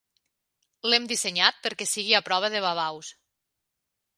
L'hem dissenyat perquè sigui a prova de babaus.